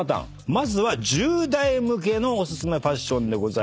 まずは１０代向けのお薦めファッションでございます。